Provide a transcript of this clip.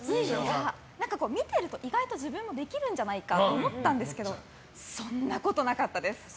見ていると意外と自分もできるんじゃないかと思ったんですけどそんなことなかったです。